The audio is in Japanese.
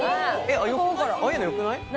ああいうのよくない？